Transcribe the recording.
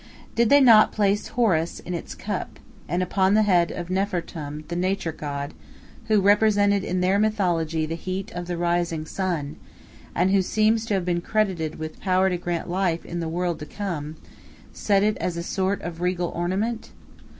Did they not place Horus in its cup, and upon the head of Nefer Tum, the nature god, who represented in their mythology the heat of the rising sun, and who seems to have been credited with power to grant life in the world to come, set it as a sort of regal ornament?